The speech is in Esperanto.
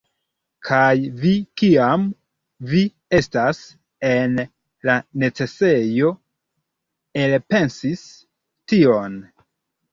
Kaj vi kiam vi estas en la necesejo elpensis tion!